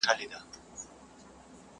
چي« رېبې به هغه څه چي دي کرلې»،